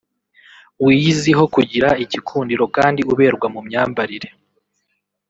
wiyiziho kugira igikundiro kandi uberwa mu myambarire